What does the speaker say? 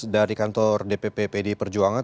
dari kantor dpp pdi perjuangan